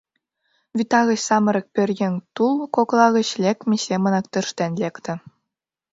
Вӱта гыч самырык пӧръеҥ тул кокла гыч лекме семынак тӧрштен лекте.